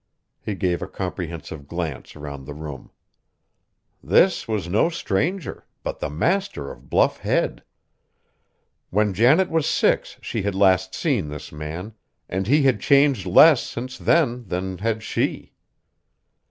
He gave a comprehensive glance around the room. This was no stranger, but the master of Bluff Head! When Janet was six she had last seen this man, and he had changed less since then than had she.